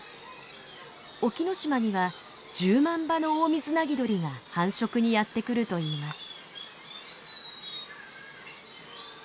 沖ノ島には１０万羽のオオミズナギドリが繁殖にやって来るといいます。